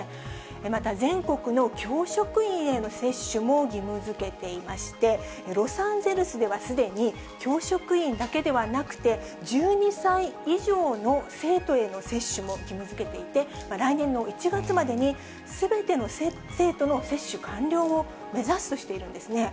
また、全国の教職員への接種も義務付けていまして、ロサンゼルスではすでに教職員だけではなくて、１２歳以上の生徒への接種も義務づけていて、来年の１月までにすべての生徒の接種完了を目指すとしているんですね。